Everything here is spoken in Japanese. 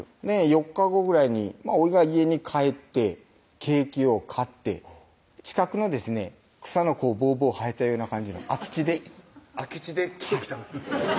４日後ぐらいにおいが家に帰ってケーキを買って近くのですね草のボーボー生えたような感じの空き地で空き地でケーキ食べたんですか？